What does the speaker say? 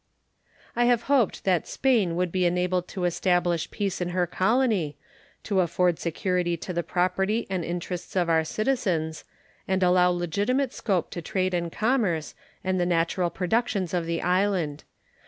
I have hoped that Spain would be enabled to establish peace in her colony, to afford security to the property and the interests of our citizens, and allow legitimate scope to trade and commerce and the natural productions of the island.